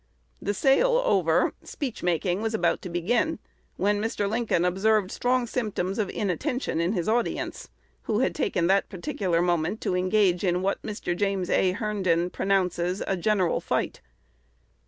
The sale over, speech making was about to begin, when Mr. Lincoln observed strong symptoms of inattention in his audience, who had taken that particular moment to engage in what Mr. James A. Herndon pronounces "a general fight."